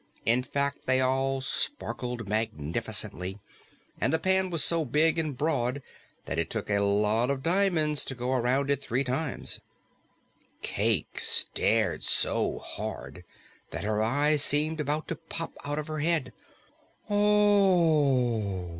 In fact, they all sparkled magnificently, and the pan was so big and broad that it took a lot of diamonds to go around it three times. Cayke stared so hard that her eyes seemed about to pop out of her head. "O o o h!"